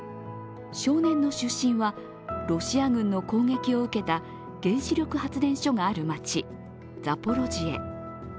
少年の出身はロシア軍の攻撃を受けた原子力発電所がある町、ザポロジエ。